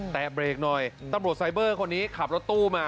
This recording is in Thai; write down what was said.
แต่เบรกหน่อยตำรวจไซเบอร์คนนี้ขับรถตู้มา